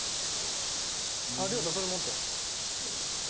亮太それ持って。